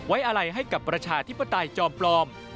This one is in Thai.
อะไรให้กับประชาธิปไตยจอมปลอม